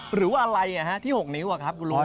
หรือว่าอะไรที่๖นิ้วครับคุณลุง